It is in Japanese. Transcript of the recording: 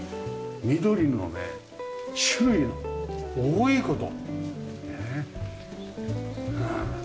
緑のね種類の多いこと！